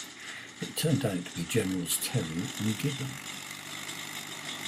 It turned out to be Generals Terry and Gibbon.